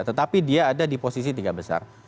tetapi dia ada di posisi tiga besar